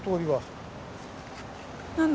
何だ？